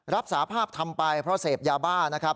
สาภาพทำไปเพราะเสพยาบ้านะครับ